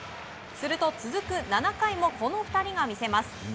すると、続く７回もこの２人が見せます。